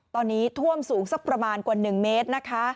ตอนนี้ท่วมสูงสักประมาณกว่า๑เมตรนะคะ